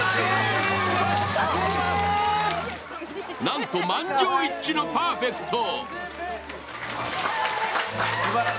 なんと満場一致のパーフェクト！